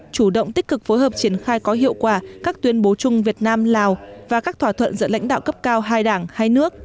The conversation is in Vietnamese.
chủ động tích cực phối hợp triển khai có hiệu quả các tuyên bố chung việt nam lào và các thỏa thuận giữa lãnh đạo cấp cao hai đảng hai nước